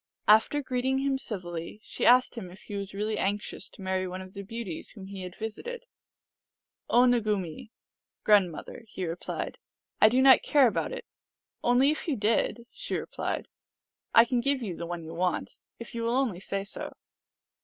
After greeting him civilly, she asked him if he was really anxious to marry one of the beauties whom he had visited. " O Nugumee " (grandmother), he replied, " I do not care about it." " Only if you did," she replied, " I can give you the one you want, if you will only say so."